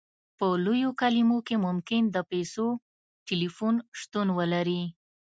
په لویو کلیو کې ممکن د پیسو ټیلیفون شتون ولري